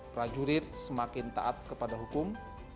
prajurit semakin taat kepada hukum